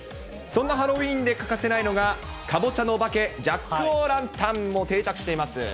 そんなハロウィーンで欠かせないのが、カボチャのお化け、ジャック・オー・ランタン、もう、定着しています。